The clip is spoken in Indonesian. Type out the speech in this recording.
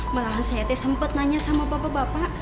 malahan saya teh sempet nanya sama bapak bapak